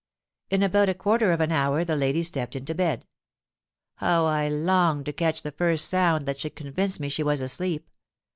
"In about a quarter of an hour the lady stepped into bed. How I longed to catch the first sound that should convince me she was asleep!